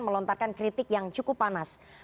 melontarkan kritik yang cukup panas